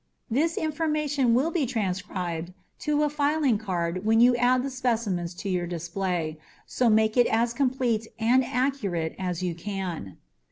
This information will be transcribed to a filing card when you add the specimens to your display, so make it as complete and accurate as you can.